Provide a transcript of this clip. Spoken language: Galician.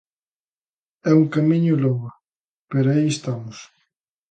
É un camiño longo, pero aí estamos.